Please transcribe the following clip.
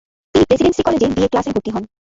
তিনি প্রেসিডেন্সী কলেজে B A ক্লাসে ভর্তি হন।